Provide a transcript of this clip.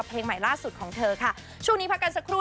เพลงใหม่ล่าสุดของเธอค่ะช่วงนี้พักกันสักครู่